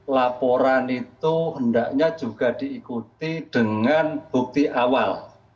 laporan itu hendaknya juga diikuti dengan bukti awal